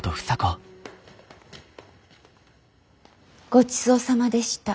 ごちそうさまでした。